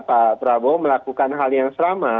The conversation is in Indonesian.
pak prabowo melakukan hal yang sama